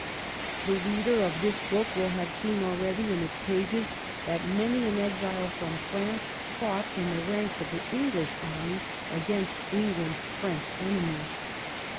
The reader of this book will have seen already in its pages that many an exile from France fought in the ranks of the English army against England's French enemies.